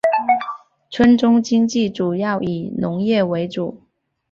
村中经济主要以农业为主。